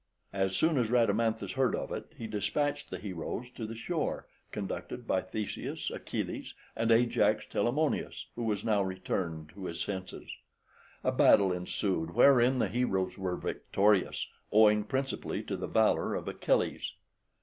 As soon as Rhadamanthus heard of it he despatched the heroes to the shore, conducted by Theseus, Achilles, and Ajax Telamonius, who was now returned to his senses. A battle ensued, wherein the heroes were victorious, owing principally to the valour of Achilles.